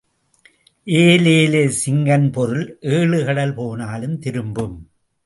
ஏலேல சிங்கன் பொருள் ஏழு கடல் போனாலும் திரும்பும்.